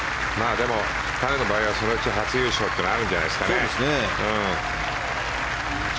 でも、彼の場合はそのうち初優勝というのがあるんじゃないですかね。